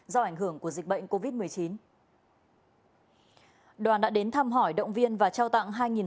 do ảnh hưởng của dịch bệnh covid một mươi chín